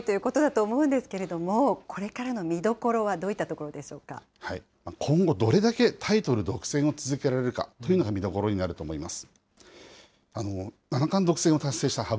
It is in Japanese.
藤井さん、ずば抜けて強いということだと思うんですけれども、これからの見どころはどういったと今後どれだけタイトル独占を続けられるかというのが見どころになると思います。